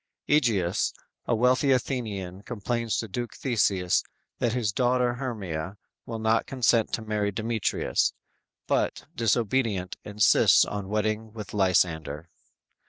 "_ Egeus, a wealthy Athenian complains to Duke Theseus that his daughter Hermia will not consent to marry Demetrius, but disobedient, insists on wedding with Lysander.